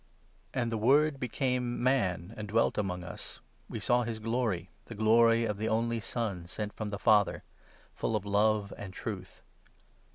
And the Word became Man, and dwelt among us, 14 (We saw his glory — the glor^of the Only Son sent from the Father), Full of love and truth.